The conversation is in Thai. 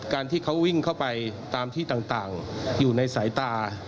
การที่เขาวิ่งเข้าไปตามที่ต่างอยู่ในสายตา